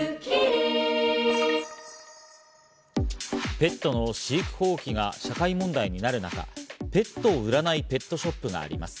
ペットの飼育放棄が社会問題になる中、ペットを売らないペットショップがあります。